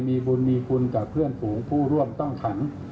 มีบุญมีคุณกับเพื่อนฝูงผู้ร่วมต้องขัง